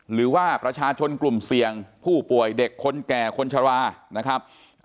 หรือว่าประชาชนกลุ่มเสี่ยงผู้ป่วยเด็กคนแก่คนชรานะครับ